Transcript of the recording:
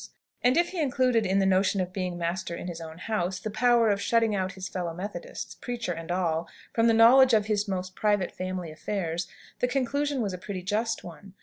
And if he included in the notion of being master in his own house the power of shutting out his fellow Methodists preacher and all from the knowledge of his most private family affairs, the conclusion was a pretty just one.